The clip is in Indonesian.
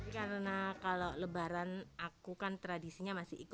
karena kalau lebaran aku kan tradisinya masih ikut ibuku